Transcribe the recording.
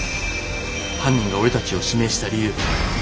犯人が俺たちを指名した理由。